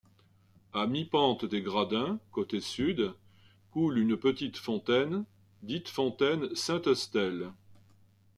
À mi-pente des gradins, côté sud, coule une petite fontaine, dite fontaine Sainte-Eustelle.